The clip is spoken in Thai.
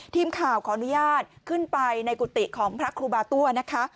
ทีมข่าวขออนุญาตขึ้นไปในกุฏิของพระครูบาตั้วนะคะ